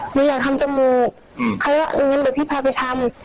หนูอยากทำจมูกเขาเรียกว่าอย่างงั้นเดี๋ยวพี่พาไปทำ